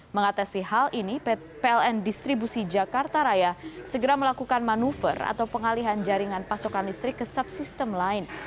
mengatasi hal ini pln distribusi jakarta raya segera melakukan manuver atau pengalihan jaringan pasokan listrik ke subsistem lain